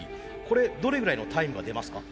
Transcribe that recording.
これどれぐらいのタイムが出ますか？